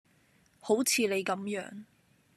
好似你咁樣